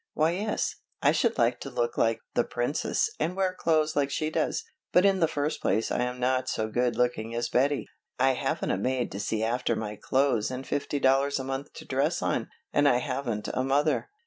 "Why yes, I should like to look like 'The Princess' and wear clothes like she does, but in the first place I am not so good looking as Betty, I haven't a maid to see after my clothes and fifty dollars a month to dress on and I haven't a mother."